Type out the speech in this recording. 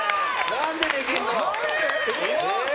何でできるの？